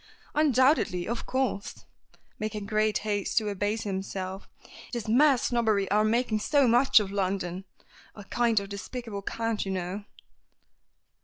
"Undoubtedly. Of course," making great haste to abase himself. "It is mere snobbery our making so much of London. A kind of despicable cant, you know."